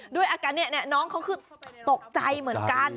ด้วยอาการนี้น้องเขาคือตกใจเหมือนกัน